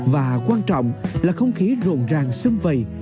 và quan trọng là không khí rộn ràng xâm vầy